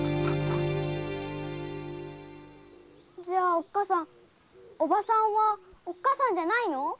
じゃあおっかさんおばさんはおっかさんじゃないの？